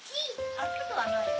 熱くはないよ。